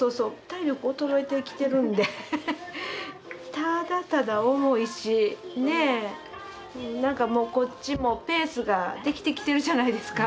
体力衰えてきてるんでただただ重いしねえなんかもうこっちもペースができてきてるじゃないですか。